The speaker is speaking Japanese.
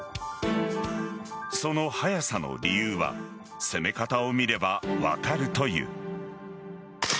その早さの理由は攻め方を見れば分かるという。